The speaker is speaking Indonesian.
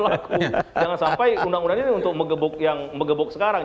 jangan sampai undang undang ini untuk yang mengebuk sekarang